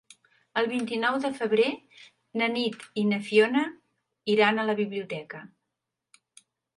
El vint-i-nou de febrer na Nit i na Fiona iran a la biblioteca.